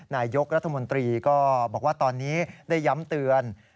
นายกรัฐมนตรีก็บอกว่าตอนนี้ได้ย้ำเตือน